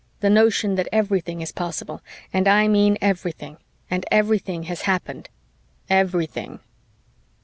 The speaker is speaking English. the notion that everything is possible and I mean everything and everything has happened. _Everything.